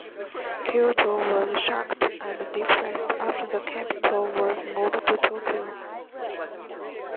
Kyoto was shocked and depressed after the capital was moved to Tokyo.